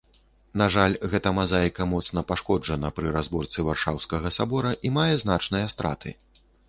На жаль, гэта мазаіка моцна пашкоджана пры разборцы варшаўскага сабора і мае значныя страты.